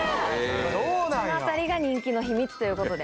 そのあたりが人気の秘密ということで。